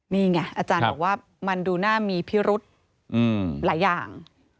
นี่ไงอาจารย์บอกว่ามันดูน่ามีพิรุธหลายอย่าง